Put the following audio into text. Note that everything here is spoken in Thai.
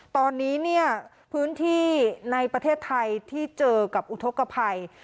ตอนนี้เนี่ยพื้นที่ในประเทศไทยที่เจอกับอุทธกภัย